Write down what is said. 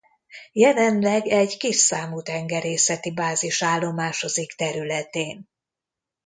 Jelenleg egy kis számú tengerészeti bázis állomásozik területén.